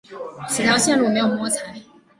此条路线没有摸彩